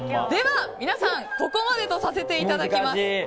では皆さんここまでとさせていただきます。